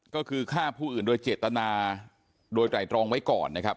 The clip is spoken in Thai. ก็คือฆ่าผู้อื่นโดยเจตนาโดยไตรตรองไว้ก่อนนะครับ